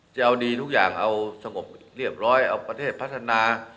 จะเอาดีทุกอย่างเอาสงบเรียบร้อยเอาประเทศพัฒนา